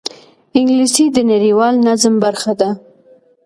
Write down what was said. انګلیسي د نړیوال نظم برخه ده